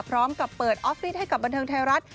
พร้อมกับเปิดออฟฟิศให้กับบันเทิงไทยรัฐ